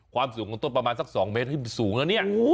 ความสูงของต้นพอมาสัก๒เมตรที่สูงนะ